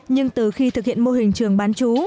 nhưng từ khi thực hiện mô hình trường bán chú